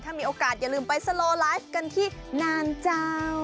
ถ้ามีโอกาสอย่าลืมไปสโลไลฟ์กันที่นานเจ้า